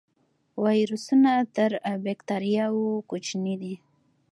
ویروسونه تر بکتریاوو کوچني دي